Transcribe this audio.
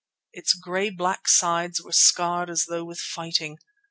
Its grey black sides were scarred as though with fighting.